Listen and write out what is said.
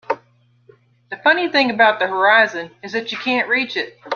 The funny thing about the horizon is that you can't reach it.